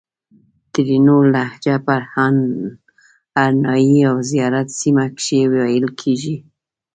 ترینو لهجه په هرنایي او زیارت سیمه کښې ویل کیږي